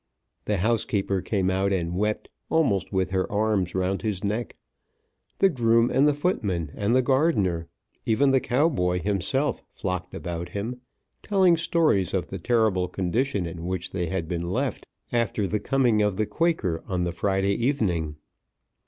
The housekeeper came out and wept, almost with her arms round his neck. The groom, and the footman, and the gardener, even the cowboy himself, flocked about him, telling stories of the terrible condition in which they had been left after the coming of the Quaker on the Friday evening.